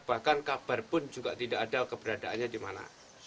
bahkan kabar pun juga tidak ada keberadaannya di mana